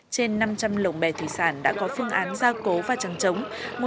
trên năm trăm linh lồng bè thủy sản đã có phương án gia cố và trắng trống